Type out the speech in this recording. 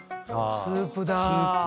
スープだ。